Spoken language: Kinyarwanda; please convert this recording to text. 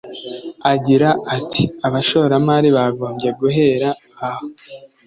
Agira ati “Abashoramari bagombye guhera aho